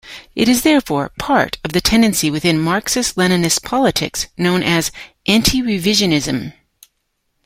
It is therefore part of the tendency within Marxist-Leninist politics known as anti-revisionism.